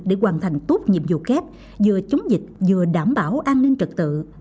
để hoàn thành tốt nhiệm vụ kép vừa chống dịch vừa đảm bảo an ninh trật tự